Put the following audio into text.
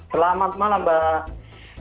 selamat malam mbak